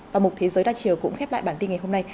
và một thế giới đa chiều cũng khép lại bản tin ngày hôm nay